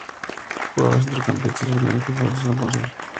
Jugaba de Centrocampista y su primer equipo fue el Trabzonspor.